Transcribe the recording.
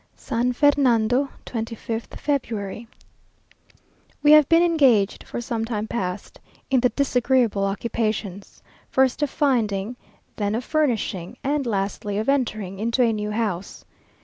SAN FERNANDO, 25th February. We have been engaged for some time past in the disagreeable occupations, first of finding, then of furnishing, and lastly of entering into a new house.